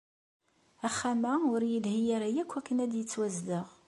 Axxam-a ur yelhi ara akk akken ad yettwazdeɣ.